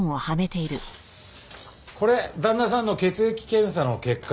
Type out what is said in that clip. これ旦那さんの血液検査の結果です。